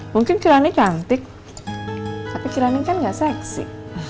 mungkin cirannya cantik tapi kirani kan gak seksi